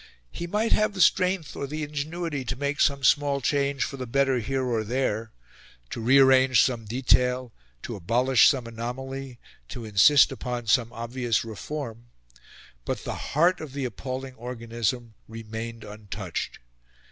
He might have the strength or the ingenuity to make some small change for the better here or there to rearrange some detail, to abolish some anomaly, to insist upon some obvious reform; but the heart of the appalling organism remained untouched.